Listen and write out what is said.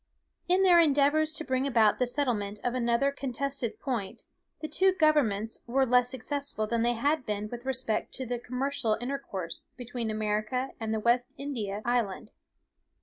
"In their endeavours to bring about the settlement of another contested point, the two governments were less successful than they had been with respect to the commercial intercourse between America and the West India Island.